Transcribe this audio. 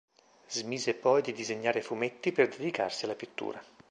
Smise poi di disegnare fumetti per dedicarsi alla pittura.